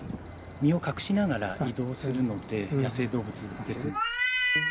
身を隠しながら移動するので、野生動物ですので。